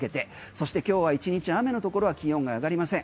そして今日は１日雨のところは気温が上がりません。